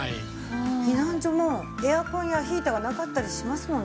避難所もエアコンやヒーターがなかったりしますもんね。